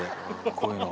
こういうの。